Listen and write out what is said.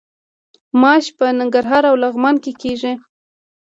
ماش په ننګرهار او لغمان کې کیږي.